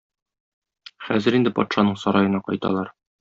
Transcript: Хәзер инде патшаның сараена кайталар.